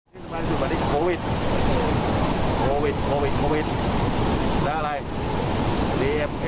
ไม่ได้เป็นไรอันนั้นส่วนโลกมาแล้ว